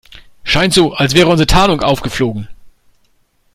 Scheint so, als wäre unsere Tarnung aufgeflogen.